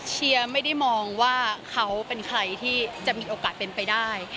เชียร์ไม่ได้มองว่าเขาเป็นใครที่จะมีโอกาสเป็นไปได้